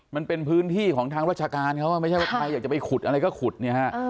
มันเป็นพื้นที่ของทางราชการเขาไม่ใช่ว่าใครอยากจะไปขุดอะไรก็ขุดเนี่ยฮะ